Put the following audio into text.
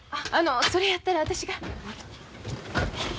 あのそれやったら私が。